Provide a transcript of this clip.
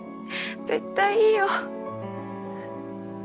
絶対いいよ。